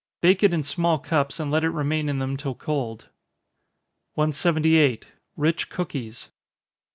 Bake it in small cups, and let it remain in them till cold. 178. _Rich Cookies.